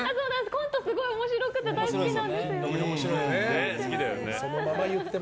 コント、すごい面白くて大好きなんですよね。